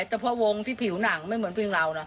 แต่เพราะวงที่ผิวหนังไม่เหมือนปริงเรา